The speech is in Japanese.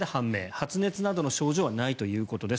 発熱などの症状はないということです。